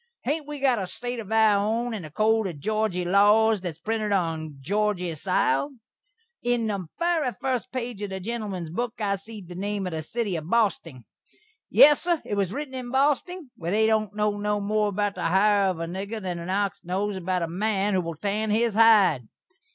Hain't we got a State of our own and a code of Georgy laws that's printed on Georgy sile? On the very fust page of the gentleman's book I seed the name of the sitty of Bosting. Yes, sur, it was ritten in Bosting, where they don't know no more about the hire of a nigger than an ox knows the man who will tan his hide."